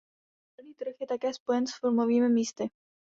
Uhelný trh je také spojen s filmovými místy.